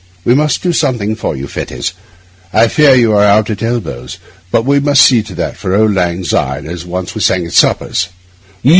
We must do something for you, Fettes. I fear you are out at elbows; but we must see to that for auld lang syne, as once we sang at suppers.